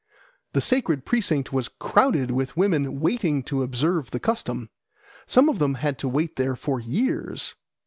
The sacred precinct was crowded with women waiting to observe the custom. Some of them had to wait there for years.